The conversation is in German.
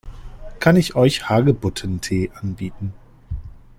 Kann ich euch Hagebuttentee anbieten?